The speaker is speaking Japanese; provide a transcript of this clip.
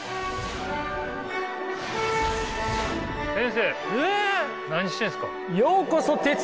先生何してんすか。